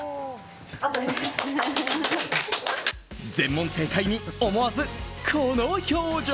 全問正解に思わずこの表情。